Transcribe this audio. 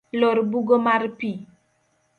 Lor bugo mar pi.